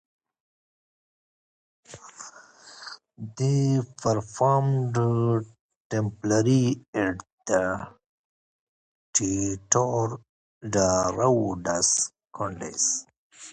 They performed temporarily at the "Teatro da Rua dos Condes".